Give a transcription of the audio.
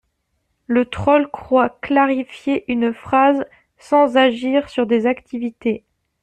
Le troll croit clarifier une phrase sans agir sur des activités.